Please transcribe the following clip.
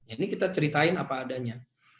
ini kita ceritain apa adanya